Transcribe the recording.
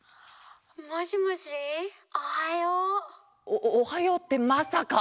おおはようってまさか！？